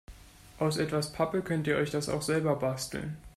Aus etwas Pappe könnt ihr euch das auch selber basteln.